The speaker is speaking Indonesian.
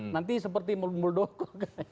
nanti seperti murdoko